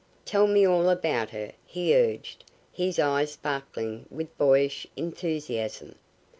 "Tell me all about her," he urged, his eyes sparkling with boyish enthusiasm.